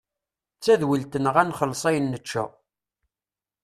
D tadwilt-nneɣ ad nxelles ayen nečča.